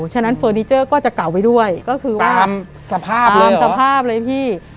ฉะนั้นเฟอร์นิเจอร์ก็จะเก่าไปด้วยก็คือว่าตามสภาพเลยหรอตามสภาพเลยพี่